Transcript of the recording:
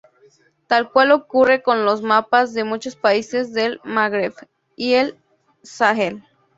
Tal cual ocurre con los mapas de muchos países del Magreb y el Sahel.